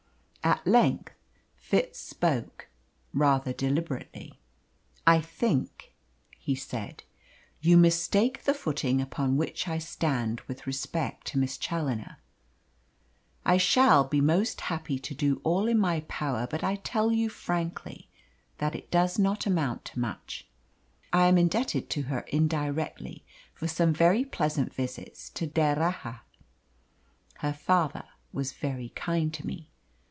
At length Fitz spoke, rather deliberately. "I think," he said, "you mistake the footing upon which I stand with respect to Miss Challoner. I shall be most happy to do all in my power; but I tell you frankly that it does not amount to much. I am indebted to her indirectly for some very pleasant visits to D'Erraha; her father was very kind to me.